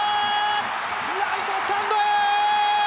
ライトスタンドへ！